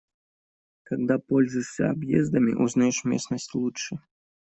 Когда пользуешься объездами, узнаёшь местность лучше.